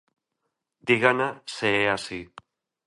Dígana se é así.